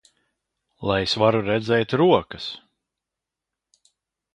Lai es varu redzēt rokas!